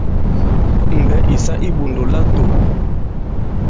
Mbɛ̌ ì sa i iɓòndò latō.